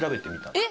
えっ？